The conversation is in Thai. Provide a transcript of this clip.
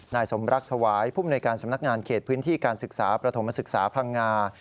นายสมรักถวายภูมิในการสำนักงานเขตพื้นที่การศึกษาประถมศึกษาพังงา